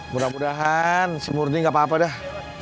mudah mudahan si murni gak apa apa dah